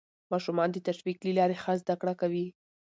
ماشومان د تشویق له لارې ښه زده کړه کوي